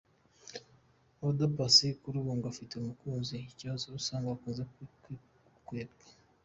Oda Paccy kuri ubu ngo afite umukunzi, ikibazo ubusanzwe akunze gukwepa.